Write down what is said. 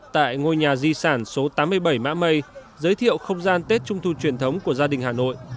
tại ngôi nhà di sản số tám mươi bảy mã mây giới thiệu không gian tết trung thu truyền thống của gia đình hà nội